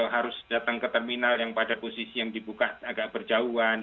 harus datang ke terminal yang pada posisi yang dibuka agak berjauhan